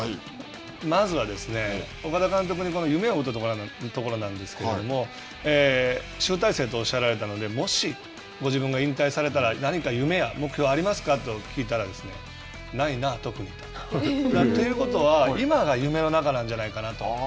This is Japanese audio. まずは、岡田監督に夢を追うというところなんですけれども、集大成とおっしゃられたので、もしご自分が引退されたら、何か夢や目標がありますかと聞きましたら、ないな、特にと。ということは、今が夢の中なんじゃないかなと。